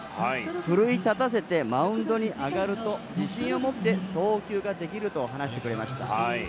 奮い立たせてマウンドに上がると自信を持って投球ができると話してくれました。